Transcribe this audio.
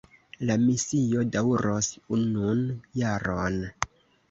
La misio daŭros unun jaron.